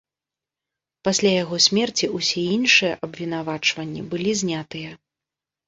Пасля яго смерці ўсе іншыя абвінавачванні былі знятыя.